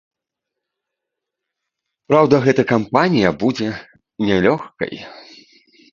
Праўда, гэта кампанія будзе не лёгкай.